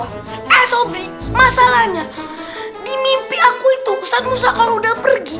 eh sobri masalahnya di mimpi aku itu ustadz musa kalau udah pergi